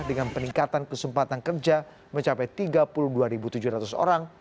dengan peningkatan kesempatan kerja mencapai tiga puluh dua tujuh ratus orang